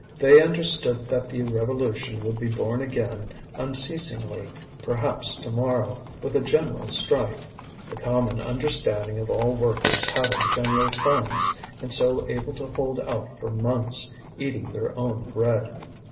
They understood that the revolution would be born again unceasingly, perhaps to morrow, with a general strike the common understanding of all workers having general funds, and so able to hold out for months, eating their own bread.